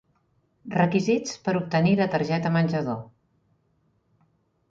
Requisits per obtenir la targeta menjador.